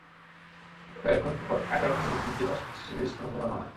এর কয়েক ঘণ্টা পর কায়রোর কাছে দ্বিতীয় দফায় শক্তিশালী বিস্ফোরণ ঘটানো হয়।